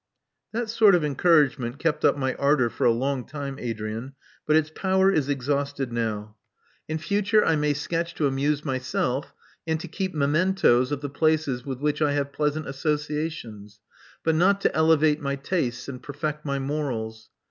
*'That sort of encouragement kept up my ardor for a long time, Adrian ; but its power is exhausted now. In future I may sketch to amuse myself and to keep mementos of the places with which I have pleasant associations, but not to elevate my tastes and perfect my morals.